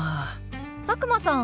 佐久間さん